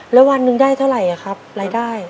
แล้ววันหนึ่งได้เท่าไหร่ครับรายได้